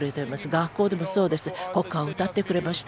学校でもそうです国歌を歌ってくれました。